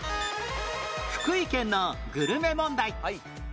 福井県のグルメ問題